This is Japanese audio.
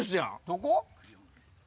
どこ？